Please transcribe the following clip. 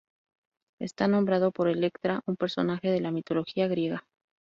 Está nombrado por Electra, un personaje de la mitología griega.